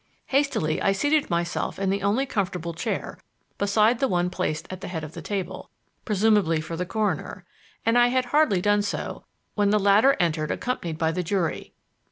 Hastily I seated myself in the only comfortable chair beside the one placed at the head of the table, presumably for the coroner; and I had hardly done so when the latter entered accompanied by the jury.